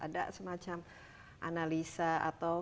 ada semacam analisa atau